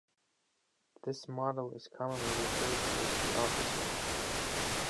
This model is commonly referred to as the "Officer".